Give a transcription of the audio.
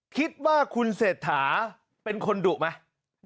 คิดว่าคุณเศรษฐาเป็นคนดุไหม